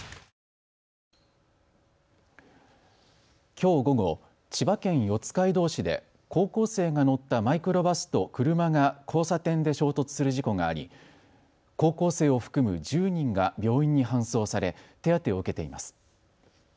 きょう午後、千葉県四街道市で高校生が乗ったマイクロバスと車が交差点で衝突する事故があり高校生を含む１０人が病院に搬送され手当てを受けています。